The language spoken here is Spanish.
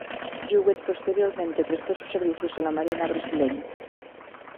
Jewett posteriormente prestó sus servicios a la marina brasileña.